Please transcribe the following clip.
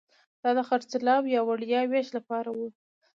دا د خرڅلاو یا وړیا وېش لپاره وو